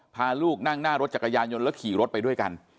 พาลูกนั่งหน้ารถจักรยานยนต์แล้วขี่รถไปด้วยกัน